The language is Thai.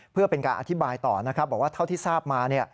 เพื่อเป็นการอธิบายต่อนะครับบอกว่าเท่าที่ทราบมา